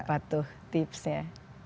apa tuh tipsnya